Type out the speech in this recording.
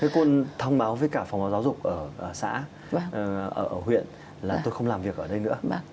côn thông báo với cả phòng giáo dục ở xã ở huyện là tôi không làm việc ở đây nữa